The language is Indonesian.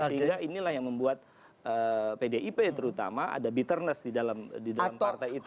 sehingga inilah yang membuat pdip terutama ada bitterness di dalam partai itu